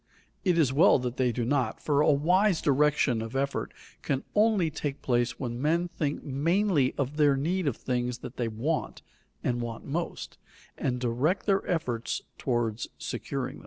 It is well that they do not, for a wise direction of effort can only take place when men think mainly of their need of things that they want, and want most, and direct their efforts toward securing them.